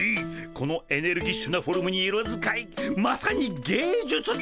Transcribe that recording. このエネルギッシュなフォルムに色使いまさに芸術だ！